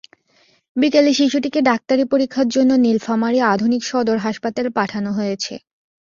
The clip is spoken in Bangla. বিকেলে শিশুটিকে ডাক্তারি পরীক্ষার জন্য নীলফামারী আধুনিক সদর হাসপাতালে পাঠানো হয়েছে।